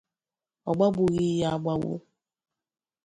ọ gbàgbughị ya agbàgbu